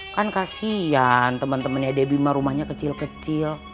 kan kasian temen temennya debi mah rumahnya kecil kecil